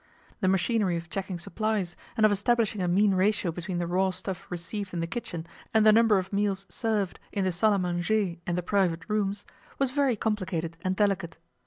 The machinery of checking supplies, and of establishing a mean ratio between the raw stuff received in the kitchen and the number of meals served in the salle à manger and the private rooms, was very complicated and delicate.